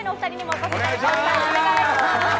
お願いします。